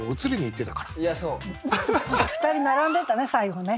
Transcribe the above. ２人並んでたね最後ね。